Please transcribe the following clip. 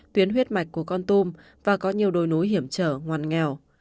tuyến huyết mạch của con tùm và có nhiều đồi núi hiểm trở ngoan nghèo